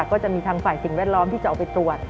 ก็จะมีทางฝ่ายสิ่งแวดล้อมที่จะออกไปตรวจ